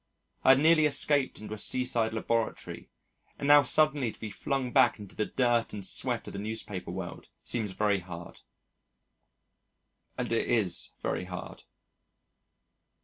I had nearly escaped into a seaside laboratory, and now suddenly to be flung back into the dirt and sweat of the newspaper world seems very hard, and it is very hard.